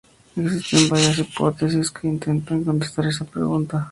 Existen varias hipótesis que intentan contestar esta pregunta.